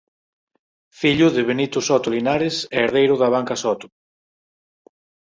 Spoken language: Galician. Fillo de Benito Soto Linares e herdeiro da Banca Soto.